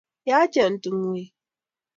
yachen tungwek